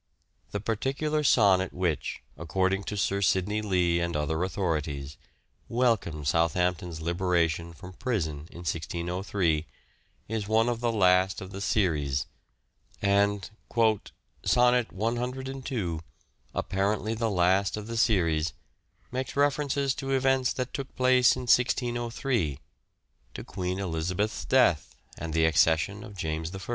The particular sonnet which, according to Sir Sidney Lee and other authorities, welcomed Southampton's liberation from prison in 1603, is one of the last of the series ; and " Sonnet cvii, apparently the last of the series, makes references to events that took place in 1603 — to Queen Elizabeth's death and the accession of James I."